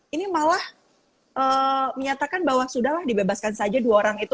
ini malah menyatakan bahwa sudah lah dibebaskan saja dua orang itu